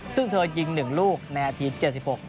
ซึ่งเธอยิง๑ลูกในอาทิตย์๗๖